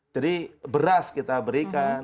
jadi beras kita berikan